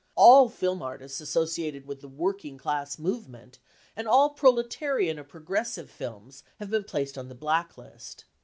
All film artists associated with the working class movement and all proletarian or progressive films have been placed on the black list.